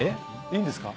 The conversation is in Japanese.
いいんですか？